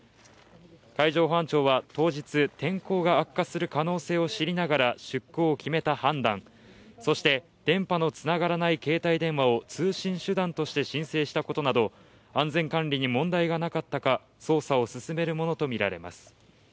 海上保安庁は当日、天候が悪化する可能性を知りながら出航を決めた判断、そして電波のつながらない携帯電話を通信手段として申請したことなど、安全管理に問題がなかったか捜査を進めるものとみられます。